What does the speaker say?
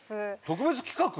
特別企画？